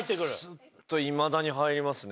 スッといまだに入りますね。